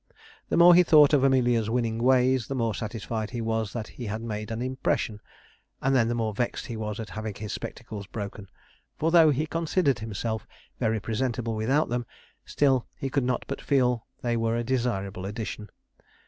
The more he thought of Amelia's winning ways, the more satisfied he was that he had made an impression, and then the more vexed he was at having his spectacles broken: for though he considered himself very presentable without them, still he could not but feel that they were a desirable addition.